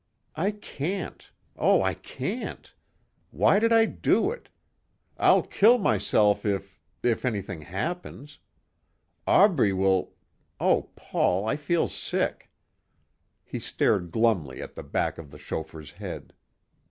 "I can't. Oh, I can't. Why did I do it. I'll kill myself if ... if anything happens. Aubrey will.... Oh Paul, I feel sick." He stared glumly at the back of the chauffeur's head.